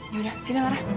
ya udah sini laura